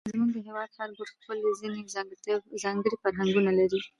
زموږ د هېواد هر ګوټ خپل ځېنې ځانګړي فرهنګونه لري،